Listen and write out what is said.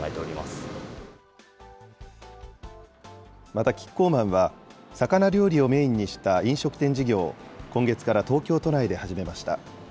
またキッコーマンは、魚料理をメインにした飲食店事業を今月から東京都内で始めました。